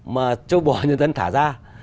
mà cho bỏ nhân dân thả ra